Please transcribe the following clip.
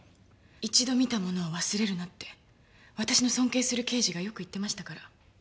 一度見たものは忘れるなって私の尊敬する刑事がよく言ってましたから。